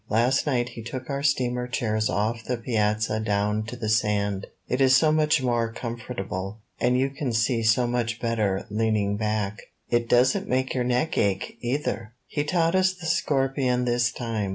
Last night he took our steamer chairs off the piazza down to the sand. It is so much more com fortable, and you can see so much better lean ing back. It doesn't make your neck ache, either. "He taught us the Scorpion this time.